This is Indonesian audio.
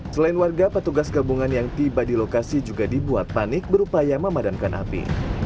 selain warga petugas gabungan yang tiba di lokasi juga dibuat panik berupaya memadamkan api